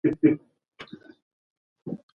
هغه د بېوزلو ملاتړ کاوه.